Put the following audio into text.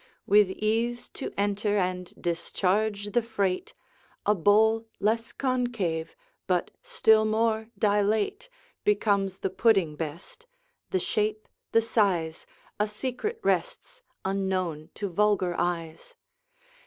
With ease to enter and discharge the freight, A bowl less concave, but still more dilate, Becomes the pudding best. The shape, the size, A secret rests, unknown to vulgar eyes.